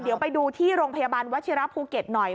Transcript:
เดี๋ยวไปดูที่โรงพยาบาลวัชิระภูเก็ตหน่อย